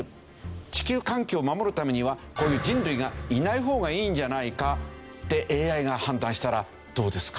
地球環境を守るためには人類がいない方がいいんじゃないかってＡＩが判断したらどうですか？